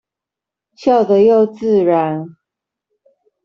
笑得又自然